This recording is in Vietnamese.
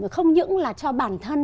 không những là cho bản thân